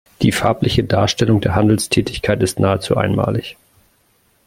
Die farbliche Darstellung der Handelstätigkeit ist nahezu einmalig.